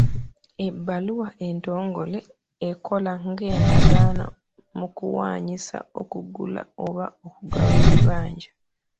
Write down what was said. Ebbaluwa entongole ekola nga endagaano mu kuwaanyisa, okugula oba okugaba ebibanja.